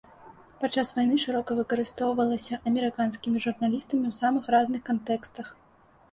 Падчас вайны шырока выкарыстоўвалася амерыканскімі журналістамі ў самых розных кантэкстах.